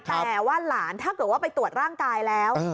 แต่ว่าหลานถ้าเกิดว่าไปตรวจร่างกายแล้ว